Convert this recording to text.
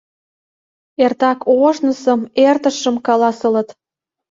Эртак ожнысым, эртышым, каласылыт.